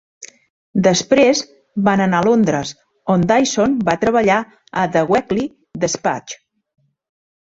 Després, van anar a Londres, on Dyson va treballar a "The Weekly Despatch".